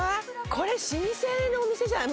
これ老舗のお店じゃない？